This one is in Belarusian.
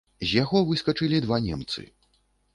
З яго выскачылі два немцы.